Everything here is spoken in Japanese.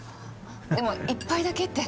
でも一杯だけって。